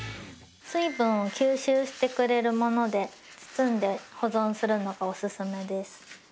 水分を吸収してくれるもので包んで保存するのがおすすめです。